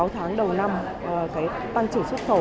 sáu tháng đầu năm cái tăng trưởng xuất khẩu